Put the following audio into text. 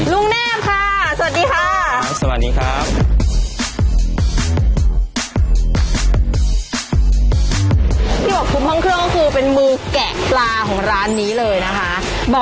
แนบค่ะสวัสดีค่ะสวัสดีครับ